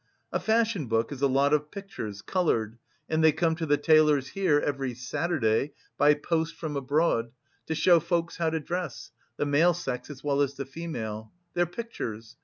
"A fashion book is a lot of pictures, coloured, and they come to the tailors here every Saturday, by post from abroad, to show folks how to dress, the male sex as well as the female. They're pictures.